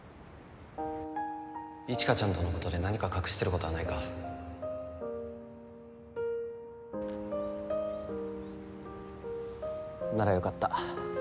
一華ちゃんとのことで何か隠してることはならよかった。